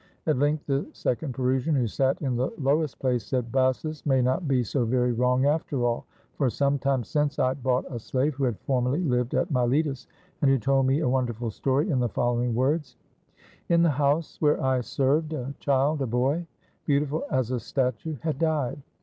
At length the second Perusian, who sat in the lowest place, said, "Bassus may not be so very wrong, after all; for some time since I bought a slave who had formerly lived at Miletus, and who told me a wonderful story, in the following words: 'In the house where I served, a child, a boy — beautiful as a statue — had died.